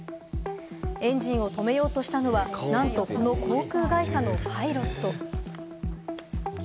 エンジンを止めようとしたのは、なんとこの航空会社のパイロット。